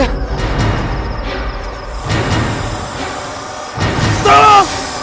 jangan bunuh saya